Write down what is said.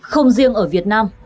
không riêng ở việt nam